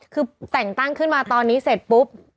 คือแต่งตั้งขึ้นมาตอนนี้เสร็จปุ๊บ